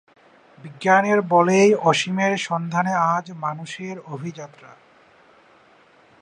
বিজ্ঞানের বলেই অসীমের সন্ধানে আজ মানুষের অভিযাত্রা।